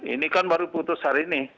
ini kan baru putus hari ini